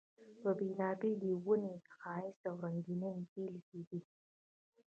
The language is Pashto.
بېلابېلې ونې یې د ښایست او رنګینۍ بېلګې دي.